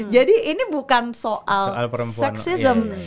jadi ini bukan soal seksism